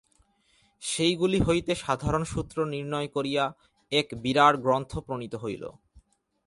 সেইগুলি হইতে সাধারণ সূত্র নির্ণয় করিয়া এক বিরাট গ্রন্থ প্রণীত হইল।